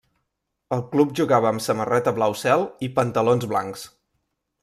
El club jugava amb samarreta blau cel i pantalons blancs.